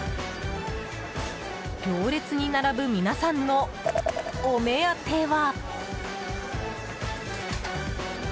行列に並ぶ皆さんのお目当ては。